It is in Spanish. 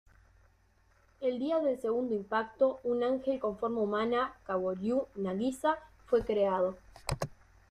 El día del Segundo Impacto, un ángel con forma humana, Kaworu Nagisa, fue creado.